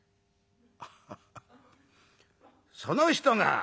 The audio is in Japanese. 「アハハその人が」。